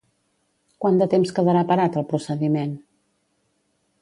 Quant de temps quedarà parat el procediment?